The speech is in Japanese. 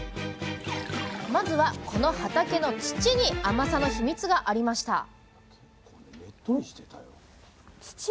まずはこの畑の土に甘さのヒミツがありました